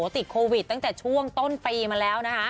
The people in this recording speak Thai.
ติดโควิดตั้งแต่ช่วงต้นปีมาแล้วนะคะ